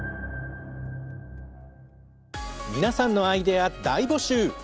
皆さんのアイデア大募集！